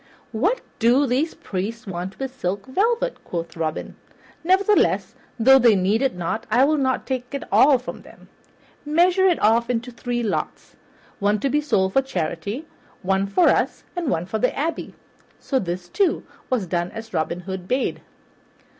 "What do these priests want of silk velvet?" quoth Robin. "Nevertheless, though they need it not, I will not take all from them. Measure it off into three lots, one to be sold for charity, one for us, and one for the abbey." So this, too, was done as Robin Hood bade.